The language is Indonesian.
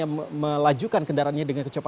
yang melajukan kendaraannya dengan kecepatan